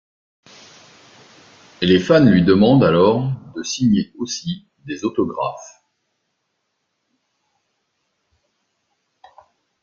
Les fans lui demandent alors de signer aussi des autographes.